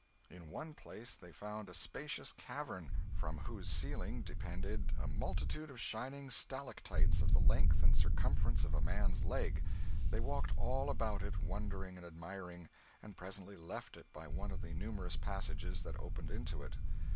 In one place they found a spacious cavern, from whose ceiling depended a multitude of shining stalactites of the length and circumference of a man's leg; they walked all about it, wondering and admiring, and presently left it by one of the numerous passages that opened into it.